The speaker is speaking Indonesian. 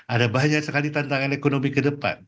ada banyak sekali tantangan ekonomi ke depan